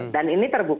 dan ini tergulung